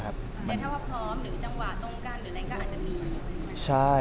แต่ถ้าว่าพร้อมหรือจังหวะตรงกันหรืออะไรก็อาจจะมีใช่ไหม